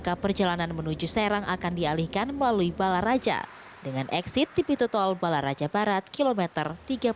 jika perjalanan menuju serang akan dialihkan melalui bala raja dengan eksit di pitotol bala raja barat kilometer tiga puluh delapan